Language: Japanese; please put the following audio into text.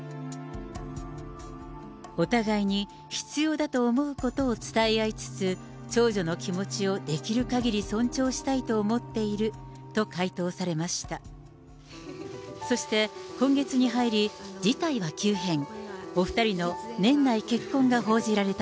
お互いに必要だと思うことを伝え合いつつ、長女の気持ちをできるかぎり尊重したいと思っていると回答されました。